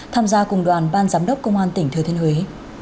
tham gia cùng đoàn ban giám đốc công an tỉnh thừa thiên huế